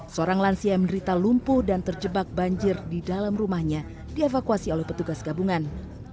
seorang lansia yang menderita lumpuh dan terjebak banjir di dalam rumahnya dievakuasi oleh petugas gabungan